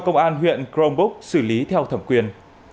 công an huyện nghi lộc đã nhận chromebook xử lý theo thẩm quyền